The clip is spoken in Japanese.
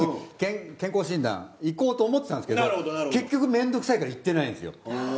健康診断行こうと思ってたんですけど結局めんどくさいから行ってないんですよ。